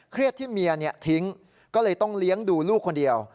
ที่เมียทิ้งก็เลยต้องเลี้ยงดูลูกคนเดียว